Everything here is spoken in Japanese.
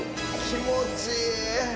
気持ちいい。